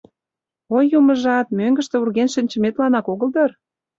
— Ой, юмыжат, мӧҥгыштӧ урген шинчыметланак огыл дыр?